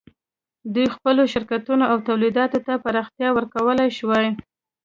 دوی خپلو شرکتونو او تولیداتو ته پراختیا ورکولای شوای.